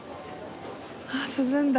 あ涼んだ。